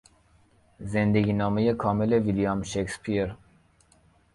زندگینامهی کامل ویلیام شکسپیر